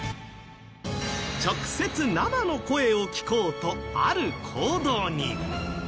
直接、生の声を聞こうとある行動に。